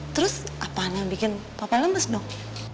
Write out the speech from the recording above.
terus apaan yang bikin papa lemes dok